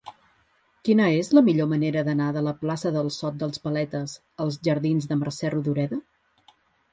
Quina és la millor manera d'anar de la plaça del Sot dels Paletes als jardins de Mercè Rodoreda?